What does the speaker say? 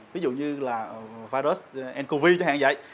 ví dụ như là virus ncov chẳng hạn vậy